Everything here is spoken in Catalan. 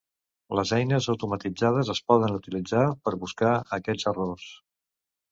Les eines automatitzades es poden utilitzar per buscar aquests errors.